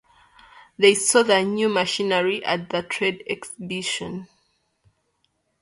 They saw the new machinery at the trade exhibition.